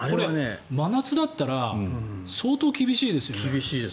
真夏だったら相当厳しいですよね。